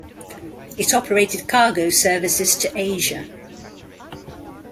It operated cargo services to Asia.